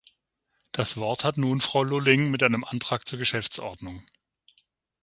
Das Wort hat nun Frau Lulling mit einem Antrag zur Geschäftsordnung.